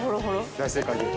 大正解で。